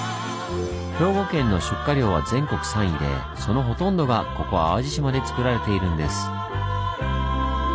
兵庫県の出荷量は全国３位でそのほとんどがここ淡路島でつくられているんです。